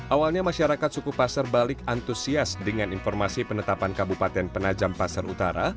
awalnya masyarakat suku pasar balik antusias dengan informasi penetapan kabupaten penajam pasar utara